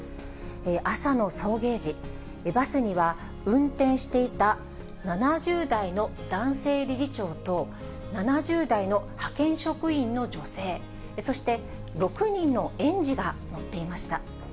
朝の送迎時、バスには運転していた７０代の男性理事長と、７０代の派遣職員の女性、そして、６人の園児が乗っていました。